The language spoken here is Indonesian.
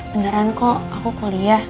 beneran kok aku kuliah